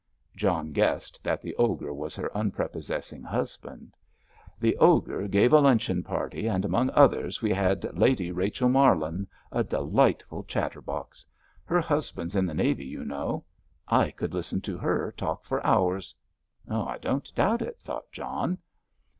John guessed that the Ogre was her unprepossessing husband. "The Ogre gave a luncheon party, and among others we had Lady Rachel Marlin, a delightful chatterbox. Her husband's in the Navy, you know. I could listen to her talk for hours." "I don't doubt it," thought John.